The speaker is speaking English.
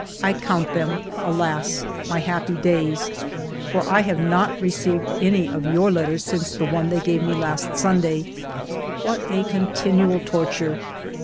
I count them, alas ! my happy days ! For I have not received any of your letters since the one they gave me last Sunday. What a con tinual torture